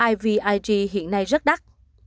ivig hiện nay rất đắt